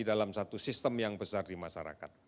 dan bagian yang terkoneksi